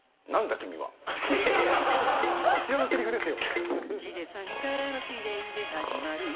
こちらのせりふですよ。